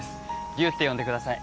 龍って呼んでください